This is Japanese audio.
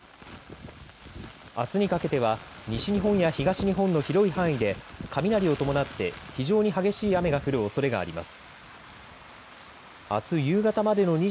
あすにかけては西日本や東日本の広い範囲で雷を伴って非常に激しい雨が降るおそれがあります。